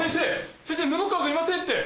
先生布川がいませんって！